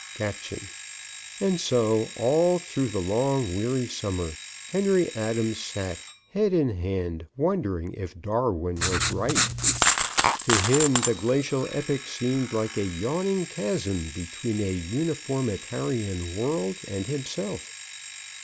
Caption: "AND SO, ALL THROUGH THE LONG, WEARY SUMMER, HENRY ADAMS SAT, HEAD IN HAND, WONDERING IF DARWIN WAS RIGHT. TO HIM THE GLACIAL EPOCH SEEMED LIKE A YAWNING CHASM BETWEEN A UNIFORMITARIAN WORLD AND HIMSELF.